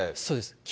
そうです。